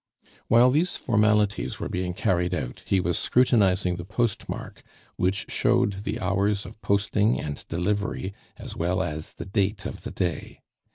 While these formalities were being carried out, he was scrutinizing the postmark, which showed the hours of posting and delivery, as well at the date of the day.